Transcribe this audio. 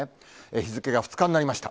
日付が２日になりました。